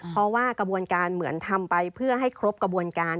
เพราะว่ากระบวนการเหมือนทำไปเพื่อให้ครบกระบวนการ